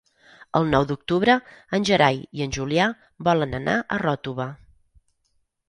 El nou d'octubre en Gerai i en Julià volen anar a Ròtova.